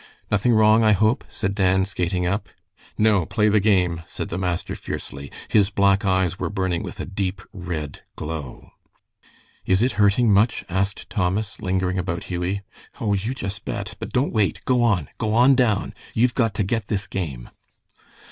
"Nothing wrong, I hope," said Dan, skating up. "No; play the game," said the master, fiercely. His black eyes were burning with a deep, red glow. "Is it hurting much?" asked Thomas, lingering about Hughie. "Oh, you just bet! But don't wait. Go on! Go on down! You've got to get this game!"